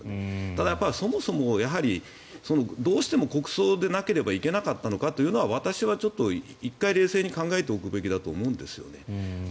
ただ、そもそもどうしても国葬でなければいけなかったのかというのは私は１回冷静に考えておくべきだと思うんですよね。